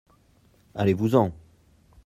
Allez-vous en !